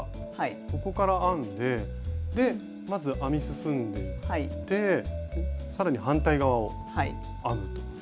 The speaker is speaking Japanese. ここから編んでまず編み進んでいってさらに反対側を編むと。